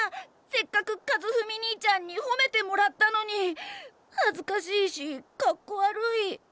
せっかく和史にいちゃんにほめてもらったのにはずかしいしかっこ悪い。